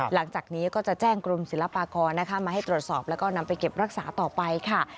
หลังจากนี้ก็จะแจ้งกรมศิลปากรนะคะมาให้ตรวจสอบแล้วก็นำไปเก็บรักษาต่อไปค่ะ